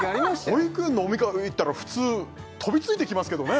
保育園のお迎え行ったら普通飛びついてきますけどね